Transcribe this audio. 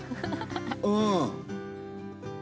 うん。